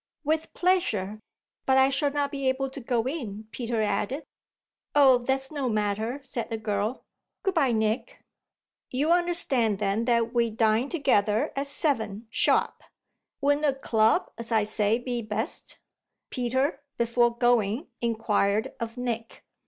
"With pleasure. But I shall not be able to go in," Peter added. "Oh that's no matter," said the girl. "Good bye, Nick." "You understand then that we dine together at seven sharp. Wouldn't a club, as I say, be best?" Peter, before going, inquired of Nick.